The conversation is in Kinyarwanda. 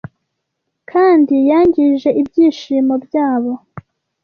kandi yangije ibyishimo byabo.